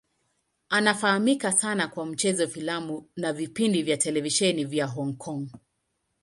Anafahamika sana kwa kucheza filamu na vipindi vya televisheni vya Hong Kong.